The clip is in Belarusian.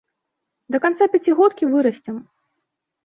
Да канца пяцігодкі вырасцем.